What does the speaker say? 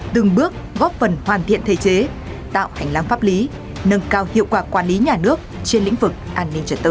từng bước góp phần hoàn thiện thể chế tạo hành lang pháp lý nâng cao hiệu quả quản lý nhà nước trên lĩnh vực an ninh trật tự